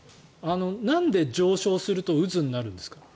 なぜ上昇すると渦になるんですか。